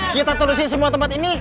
kita terusin semua tempat ini